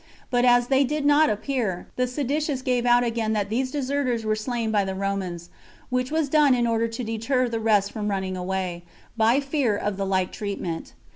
But as they did not appear, the seditious gave out again that these deserters were slain by the Romans, which was done in order to deter the rest from running away, by fear of the like treatment.